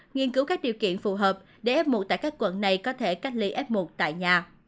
nghiên cứu các điều kiện phù hợp để f một tại các quận này có thể cách ly f một tại nhà